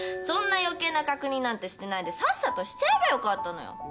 そんな余計な確認なんてしてないでさっさとしちゃえばよかったのよ。